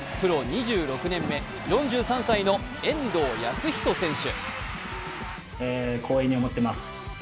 ２６年目４３歳の遠藤保仁選手。